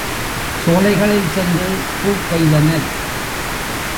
சோலைகளில் சென்று பூக் கொய்தனர்.